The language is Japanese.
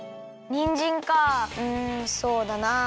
にんじんかうんそうだなあ。